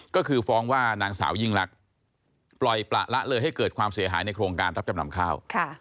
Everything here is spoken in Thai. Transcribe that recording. ก็คือฟ้องว่านางสาวยิ่งลักษณ์ปล่อยประละเลยให้เกิดความเสียหายในโครงการรับจำนำข้าว